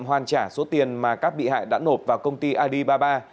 hoàn trả số tiền mà các bị hại đã nộp vào công ty alibaba